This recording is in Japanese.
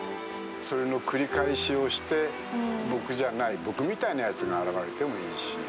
それの繰り返しをして僕じゃない僕みたいなやつが現れてもいいし。